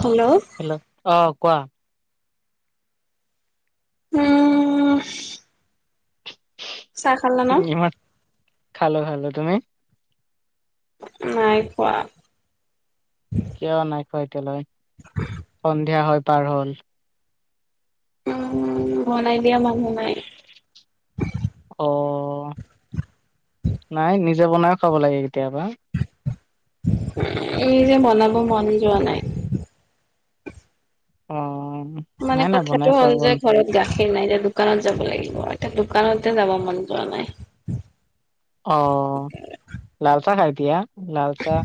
Hello hello অ'কোৱা? [inaudible] চাহ খালা এই ন? [unintelligible] খালো, খালো তুমি? নাই খোৱা। কিয় নাই খোৱা এতিয়ালৈ সন্ধিয়া হৈ পাৰ হ'ল। উম, বনাই দিয়া মানুহ নাই। অ', নাই নিজেই বনায় খাব লাগে কেতিয়াবা। এই যে বনাব মনে যোৱা নাই। অ', মানে নাই নাই বনাই কথাটো খোৱা হ'ল যে বন ঘৰত গাখীৰ নাই এতিয়া দোকানত যাব লাগিব এতিয়া দোকানতে যাব মন জোৱা নাই। অ'লাল চাহ খাই দিয়া লাল চাহ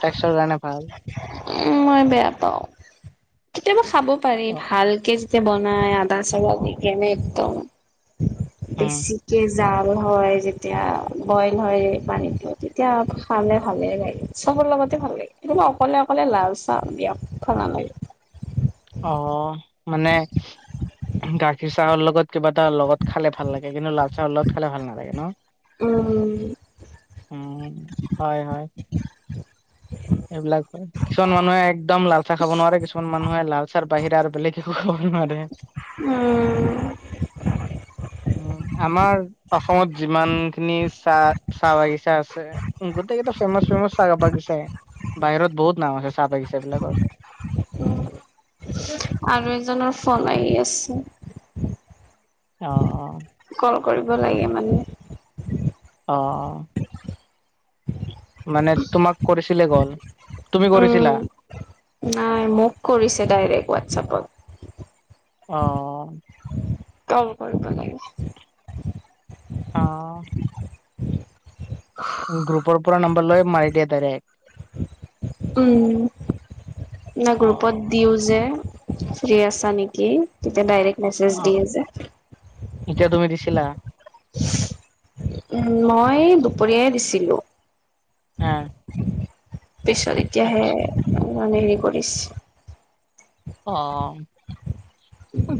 স্বাস্থ্য কাৰণে ভাল। উম, মই বেয়া পাওঁ কেতিয়াবা চাব পাৰি অ ভালকে যে বনাই আদা চালা দি কেনে একদম উম বেছিকে জাল হয় যেতিয়া বইল হয় পানীটো তেতিয়া খালে ভালেই লাগে। চবৰ লগতে ভাল লাগে কিন্তু অকলে অকলে লাল চাহ বিয়াত ভাল নালাগে। অঁ মানে গাখীৰ চাহৰ লগত কিবা এটা লগত খালে ভাল লাগে কিন্তু লাল চাহৰ লগত খালে ভাল নালাগে ন? উম উম, হয় হয়। এইবিলাক কিছুমান মানুহে একদম লালচাহ খাব নোৱাৰে কিছুমান মানুহে লালচাহৰ বাহিৰে আৰু বেলেগ একো খাব নোৱাৰে। উম হম, আমাৰ অসমত যিমান খিনি চাহ চাহ বাগিচা আছে গোটেইকেইটা ফেমাচ, ফেমাচ চাহ বাগিচাই। বাহিৰত বহুত নাম আছে চাহ বাগিচা বিলাকৰ। আৰু এজনৰ ফোন আহি আছে। অ অ। কল কৰিব লাগে মানে। অ মানে তোমাক কৰিছিলে ক'ল তুমি উম কৰিছিলা? নাই মোক কৰিছে ডাইৰেক্ট হোৱাটছএপত। অ। কল কৰিব লাগিব। অ। গ্ৰুপৰ পৰা নাম্বাৰ লৈ মাৰি দিয়ে ডাইৰেক্ট। উম না অ', গ্ৰুপত দিও যে। ফ্ৰী আছা নেকি তেতিয়া ডাইৰেক্ট মেসেজ অ', দিয়ে যে। এতিয়া তুমি দিছিলা? মই দুপৰীয়াই দিছিলোঁ। আ। পিছত এতিয়াহে মানে হেৰি কৰিছে। অ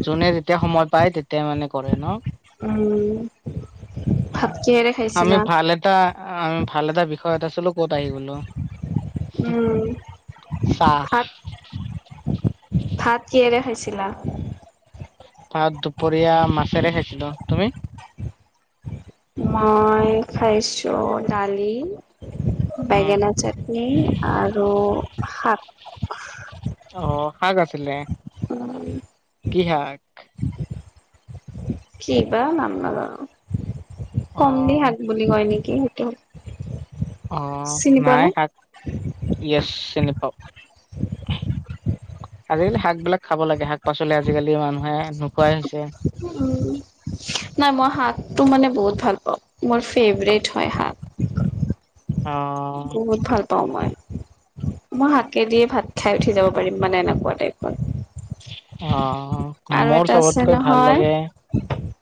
যোনে যেতিয়া সময় পায় তেতিয়াই মানে কৰে ন? উম। ভাত কিহেৰে আমি খাইছিলা? ভাল এটা আমি ভাল এটা বিষয়ত আছিলো ক'ত আহি গলো। উম চাহ। ভাত ভাত কিহেৰে খাইছিলা? ভাত দুপৰীয়া মাছেৰে খাইছিলো, তুমি? মই খাইছোঁ ডালি, উম, বেঙেনা চাট নিম আৰু শাক। অ শাক আছিলে। উম। কি শাক? কি বা নাম নাজানো কমলি অ' শাক নে বুলি কয় নেকি সেইটো হ অ নাই শাক য়েছ চিনি পাও। আজিকালি শাক বিলাক খাব লাগে শাক পাচলি আজিকালি মানুহে নোখোৱাই হৈছে। উম। নাই মই শাকটো মানে বহুত ভাল পাওঁ মোৰ ফেভৰেট হয় শাক। অ। বহুত ভাল পাওঁ মই মই শাকে দিয়ে ভাত খাই উঠি যাব পাৰিম মানে এনেকুৱা টাইপৰ। অ মোৰ আছে চবতকৈ ভাল নহয় লাগে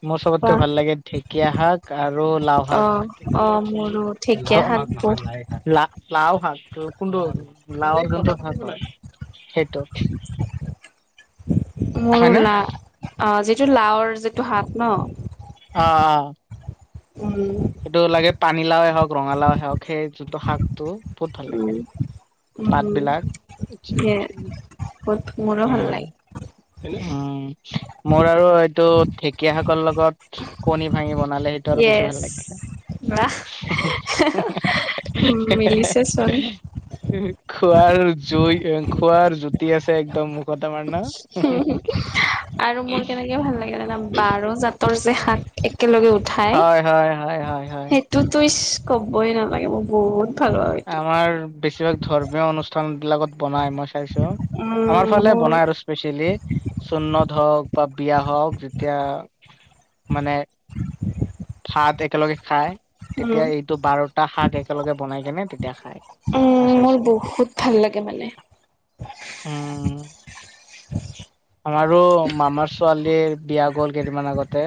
মোৰ চবতকৈ ভাল লাগে ঢেকীয়া শাক আৰু লাও অ শাক অ মোৰো ঢেকীয়া শাক বহ [unintelligible] লাও শাক কোনটো লাও যোনটো লাও শাক হৈ সেইটো। মোৰো হয়নে? লা আ যিটো লাওৰ যিটো শাক ন অ অ। উম। এইটো লাগে পানীলাওে হওঁক ৰঙালাওে হওঁক সেই যোনটো শাকটো বহুত ভাল লাগে। উম পাত বিলাক উম বহুত মোৰো ভাল উম। লাগে উম, মোৰ আৰু এইটো ঢেঁকীয়া শাকৰ লগত কণী ভাঙি বন [unintelligible] সেইটো আৰু বেছি য়েছ ভাল লাগে। [inaudible] বাহ মিলিছে চোন খোৱাৰ জুই খোৱাৰ জুতি আছে একদম মুখত আমাৰ ন [unintelligible] আৰু মোৰ কেনেকে ভাল লাগে জনা বাৰ জাতৰ যে শাক একেলগে উঠ হয় হয় হয় হয় [unintelligible] হয় সেইটোতো ইচ ক'বই নালাগে মোৰ বহুত ভাল পাওঁ সেইটো আমাৰ বেছিভাগ ধৰ্মীয় অনুষ্ঠান বিলাকত বনাই মই খাইছো আমাৰ উম ফালে মোৰ বনাই আৰু স্পেচিয়েলি চন্নদ হওক বা বিয়া হওক যেতিয়া মানে [inaudible] ভাত একেলগে খায় উম তেতিয়া এইটো বাৰটা শাক একেলগে বনাই কেনে তেতিয়া খায়। উম, মোৰ বহুত ভাল লাগে মানে। উম। [inaudible] আমাৰো মামাৰ ছোৱালীৰ বিয়া গ'ল কেইদিনমান আগতে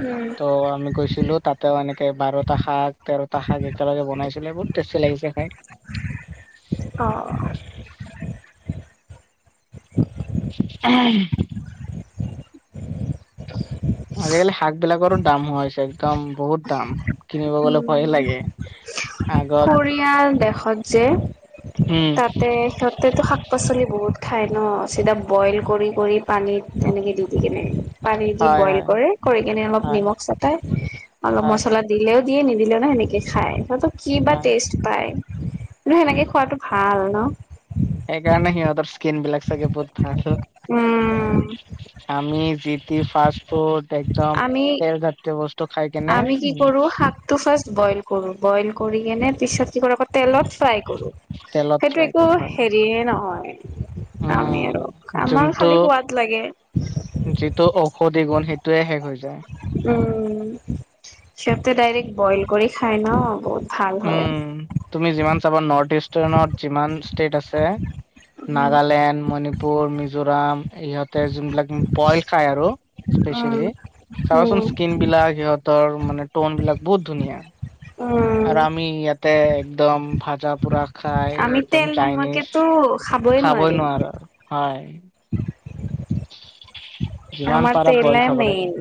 উম ত' [unintelligible] আমি গৈছিলো তাত [unintelligible] এনেকে বাৰটা শাক তেৰটা শাক একেলগে বনাইছিলে বহুত টেষ্টি লাগিছে খাই। অ। [inaudible] [inaudible] [inaudible] আজিকালি শাক বিলাকৰো দাম হৈছে একদম বহুত দাম কিনিব গ'লে ভয়ে লাগে কোৰিয়াৰ দেশত যে আগত উম। তাতে সিঁহতেটো শাক পাচলি বহুত খায় ন চিধা বইল কৰি কৰি পানীত তেনেকে দি দি কেনে। পানী দি হয়, বইল হয়, কৰে কৰি কেনে অলপ হয়, নিমখ চেটাই অলপ হয়, মচলা দিলেও দিয়ে নিদিলে নাই সেনেকে খায় [unintelligible] কিবা হয়। টেষ্ট পায়। [unintelligible] সেনেকে খোৱাটো ভাল ন? সেইকাৰণে সিহঁতৰ স্কিন বিলাক চাগে বহুত ভাল উম আমি যিটি ফাৰ্ষ ফুট একদম আমি তেল জাতীয় বস্তু খাই কেনে ত ফাৰ্ষ্ট বইল কৰো বইল কৰি কেনে পিছত [unintelligible] তেলত ফ্ৰাই কৰো। তেলত সেইটো ফ্ৰাই একো কৰা হয়। হেৰিয়ে নহয়। আমি উম, আৰু আমাৰ যোনটো খালি সোৱাদ লাগে। যিটো ঔষধি গুণ সেইটোয়ে শেষ হৈ যায়। উম সিহঁতে ডাইৰেক্ট বইল কৰি খায় ন বহুত ভাল হয় উম, তুমি যিমান চাবা নৰ্থ ইষ্টাৰ্ণত যিমান ষ্টেট আছে নাগালেণ্ড মণিপু পুৰ মিজোৰাম ইহঁতে যোনবিলাক বইল খাই আৰু উম স্পেচিয়েলি চাবাচোন উম স্কিন বিলাক সিহঁতৰ তৰ মানে টন বিলাক বহুত ধুনীয়া উম আৰু আমি ইয়াতে একদম ভাজা পোৰা খাই আমি একদম তেল চাইনিজ নোহোৱাকেতো খাবই খাব নোৱাৰিম নোৱাৰ আৰু হয় যিমান আমাৰ পাৰা বইল তেলে খাব লাগে মেইন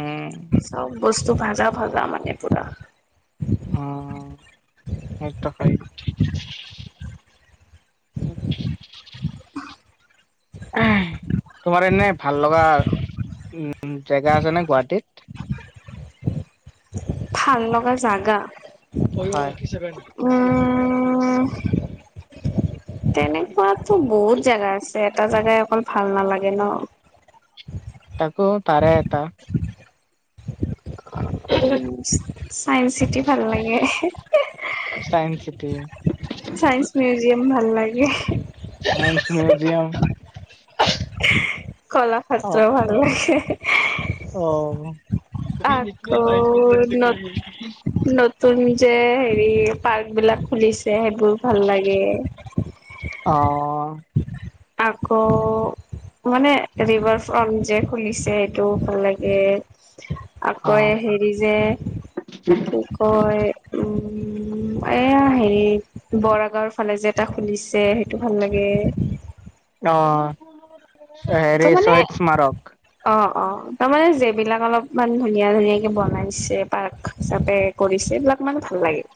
উম চব বস্তু ভাজা ভাজা মানে পুৰা উম সেই তৰকাৰিত উম ঊম তোমৰ এনে ভাল লগা উম জেগা আছে নে গুৱাহাটীত ভাল লগা জাগা [unintelligible] হয় উম [unintelligible] তেনেকুৱাতো বহুত জাগা আছে এটা জেগাই অকল ভাল নালাগে ন তাকো তাৰে এটা উম চাইন্স চিটি ভাল লাগে [unintelligible] চাইন্স চিটি চাইন্স মিউজিয়াম ভাল লাগে [unintelligible] চাইন্স মিউজিয়াম কলা ক্ষেত্ৰও ভাল লাগে এহে হে অহ তুমি ন সেইটো [unintelligible] নতুন যে হেৰি পাৰ্ক বিলাক খুলিছে সেইবোৰ ভাল লাগে অহ আকৌ মানে ৰিভাৰ ফ্ৰন্ট যে খুলিছে সেইটো ভাল লাগে আকৌ অ', এই হেৰি যে কি কয় উম উম এয়া হেৰি বৰাগাঁওৰ ফালে যে এটা খুলিছে সেইটো ভাল লাগে অহ হেৰি চহিদ স্মাৰক অহ অহ তাৰমানে যিবিলাক অলপমান ধুনীয়া ধুনীয়াকে বনাইছে পাৰ্ক হিচাপে কৰিছে এইবিলাক মানে ভাল লাগে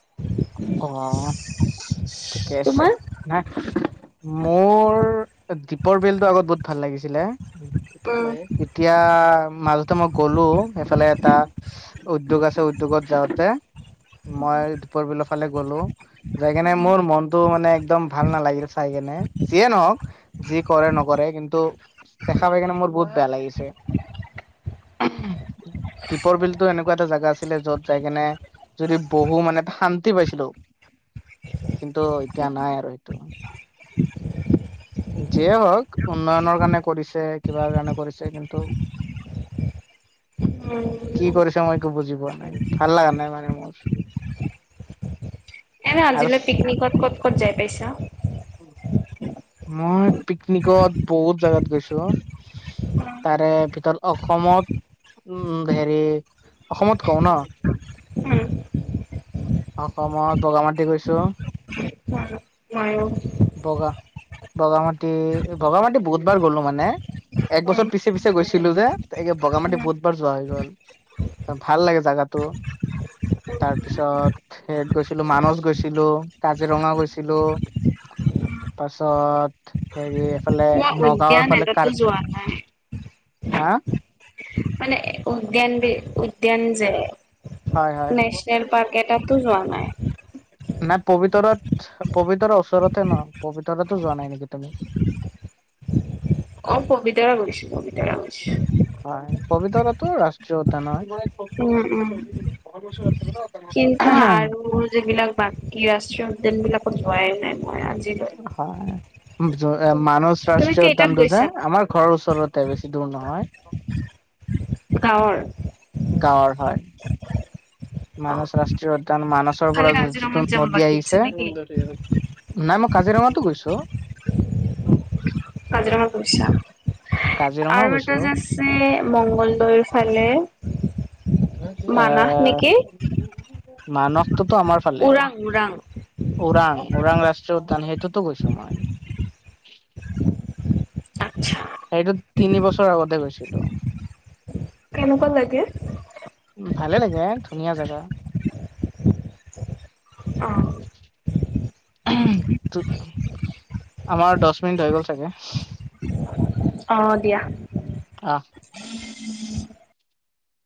অহ ঠিকে আছে তোমাৰ নাই মোৰ দ্বীপৰ বিলটো আগত বহুত ভাল লাগিছিলে সেই তাত উম নাই এতিয়া মালতো মই কলো এইফালে এটা উদ্যোগ আছে উদ্যোগত যাওঁতে মই দ্বীপৰ বিলৰ ফালে গ'লো যাই কেনে মোৰ মনটো মানে একদম ভাল নালাগিল চাই কেনে যিয়ে নহওক যি কৰে নকৰে কিন্তু দেখা পাই কেনে মোৰ বহুত বেয়া লাগিছে ঊম দ্বীপৰ বিলতো এনেকুৱা এটা জাগা আছিলে য'ত যাই কিনে যদি বহো মানে শান্তি পাইছিলো কিন্তু এতিয়া নাই আৰু সেইটো যিয়ে হওক উন্নয়নৰ কাৰণে কৰিছে কিবা কাৰণে কৰিছে কিন্তু কি উম কৰিছে মই একো বুজি পোৱা নাই ভাল লাগা নাই মানে মোৰ এনে আৰু আজিলৈ পিকনিকত ক'ত ক'ত যাই পাইছা মই পিকনিকত বহুত জাগাত গৈছো তাৰে ভিতৰত অসমত উম হেৰি অসমত কওঁ না। উম। অসমত বগা মাটি গৈছোঁ। [inaudible] বগা বগামাটি বগামাটি বহুতবাৰ গ'লো মানে। এক উম বছৰ পিছে পিছে গৈছিলো যে এইকে বগা মাটি বহুতবাৰ যোৱা হৈ গ'ল। ভাল লাগে জাগাটো। তাৰ পিছত সেয়াত গৈছিলো মানস গৈছিলোঁ কাজিৰঙা গৈছিলোঁ। পাছত হেৰি এইফালে মই নগাঁওৰ উদ্যান ফালে এটাতো যোৱা নাই কাৰবি মানে উদ্যান বি উদ্যান যে হয় হয় নেচনেল পাৰ্ক এটাতো যোৱা নাই। নাই পবিতৰাত পবিতৰাৰ ওচৰতে ন পবিতৰাতো যোৱা নাই নেকি তুমি? অহ পবিতৰা গৈছোঁ পবিতৰা গৈছোঁ। হয় পবিতৰাটো ৰাষ্ট্ৰীয় উদ্যান হয়। উম উম কিন্তু আৰু যিবিলাক বাকী ৰাষ্ট্ৰীয় উদ্যান বিলাকত যোৱাই নাই মই আজি হয় মানস তুমি ৰাষ্ট্ৰীয় কেইটাত উদ্যানটো যে গৈছা আমাৰ ঘৰৰ ওচৰতে বেছি দূৰ নহয়। গাঁৱৰ? গাৱৰ‌ হয়। মানস ৰাষ্ট্ৰীয় উদ্যান মানসৰ পৰা খালি যিটো কাজিৰঙাত যাব নদী বাকী আছে আহিছে নেকি নাই মই কাজিৰঙাতো গৈছোঁ। কাজিৰঙা গৈছা আৰু কাজিৰঙাও এটা গৈছোঁ। যে আছে মংগলদৈৰ ফালে। মানাহ নেকি এহ মানস টোত আমাৰ ফালে ওৰাং ওৰাং ৰাষ্ট্ৰীয় উদ্যান সেইতোটো গৈছো মই। আচ্ছা। সেইটো তিনি বছৰ আগতে গৈছিলোঁ। কেনেকুৱা লাগে ভালে লাগে ধুনীয়া জেগা। অ। আমাৰ দশ মিনিট হৈ গ'ল চাগে? অঁ দিয়া। অ।